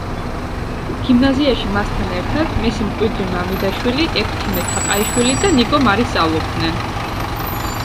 გიმნაზიაში მასთან ერთად, მისი მკვიდრი მამიდაშვილი, ექვთიმე თაყაიშვილი და ნიკო მარი სწავლობდნენ.